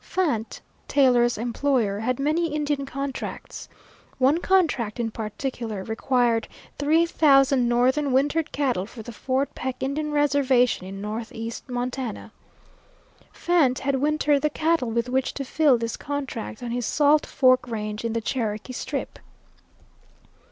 Fant, Taylor's employer, had many Indian contracts. One contract in particular required three thousand northern wintered cattle for the Fort Peck Indian Reservation in northeast Montana. Fant had wintered the cattle with which to fill this contract on his Salt Fork range in the Cherokee Strip.